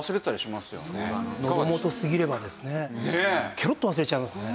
けろっと忘れちゃいますね。